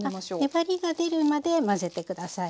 粘りが出るまで混ぜて下さい。